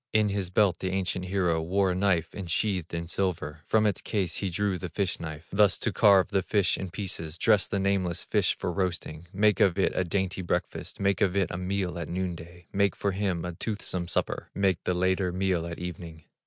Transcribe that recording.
In his belt the ancient hero Wore a knife insheathed with silver; From its case he drew the fish knife, Thus to carve the fish in pieces, Dress the nameless fish for roasting, Make of it a dainty breakfast, Make of it a meal at noon day, Make for him a toothsome supper, Make the later meal at evening.